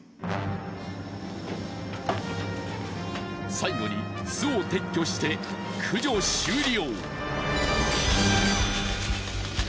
最後に巣を撤去して駆除終了。